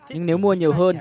nhưng nếu mua nhiều hơn